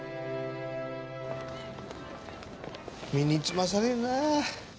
身につまされるなぁ。